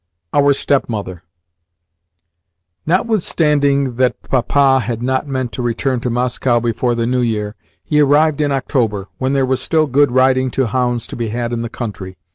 OUR STEPMOTHER Notwithstanding that Papa had not meant to return to Moscow before the New Year, he arrived in October, when there was still good riding to hounds to be had in the country.